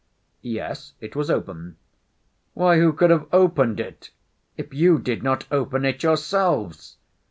"Yes, it was open." "Why, who could have opened it if you did not open it yourselves?"